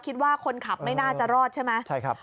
คิดว่าคนขับไม่น่าจะรอดใช่ไหม